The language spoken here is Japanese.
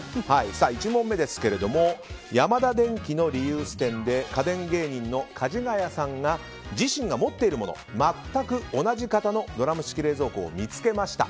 １問目ですけれどもヤマダデンキのリユース店で家電芸人のかじがやさんが自身が持っているものと全く同じ型のドラム式洗濯機を見つけました。